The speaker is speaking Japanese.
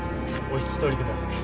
お引き取りください。